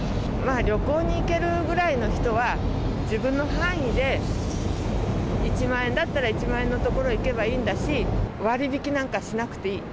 旅行に行けるぐらいの人は、自分の範囲で、１万円だったら１万円の所に行けばいいんだし、割引なんかしなくていい。